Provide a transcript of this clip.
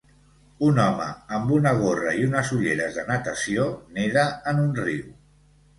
Un home amb una gorra i unes ulleres de natació neda en un riu